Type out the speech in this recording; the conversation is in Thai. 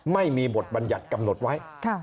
ไม่มีบทบัญญัติกำหนดไว้